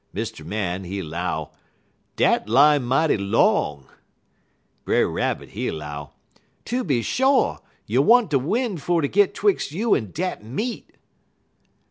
Mr. Man, he 'low: "'Dat line mighty long.' "Brer Rabbit he 'low: "'Tooby sho', you want de win' fer ter git 'twix' you en dat meat.'